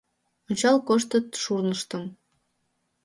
Ончал коштыт шурныштым.